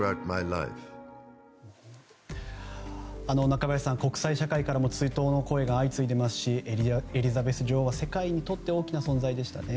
中林さん、国際社会からも追悼の声が相次いでいますしエリザベス女王は世界にとって大きな存在でしたね。